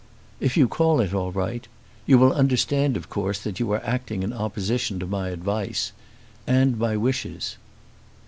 "If you call it all right. You will understand of course that you are acting in opposition to my advice, and my wishes."